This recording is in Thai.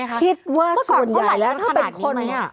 เบื่อพี่จะคิดว่าส่วนใหญ่แล้วถ้าเล่างอย่างนี้ไหม